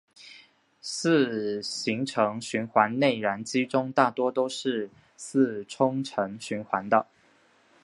四行程循环内燃机中大多都是四冲程循环的。